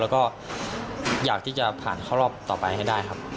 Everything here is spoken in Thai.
แล้วก็อยากที่จะผ่านเข้ารอบต่อไปให้ได้ครับ